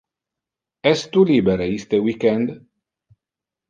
Es tu libere iste week-end?